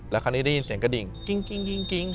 แล้วคราวนี้ได้ยินเสียงกระดิ่งกริ๊งกริ๊งกริ๊งกริ๊ง